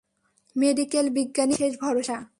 Medical বিজ্ঞানই আমাদের শেষ ভরসা।